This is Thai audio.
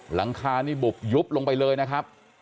หลังคานี่บุบยุบลงไปเลยนะครับ